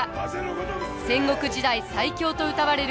戦国時代最強とうたわれる武田信玄。